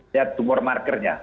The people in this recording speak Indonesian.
lihat tumor markernya